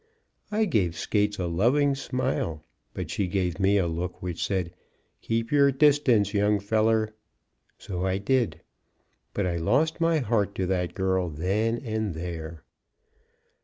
I gave Skates a loving smile, but she gave me a look, which said, "Keep your distance, young feller." So I did. But I lost my heart to that girl then and there.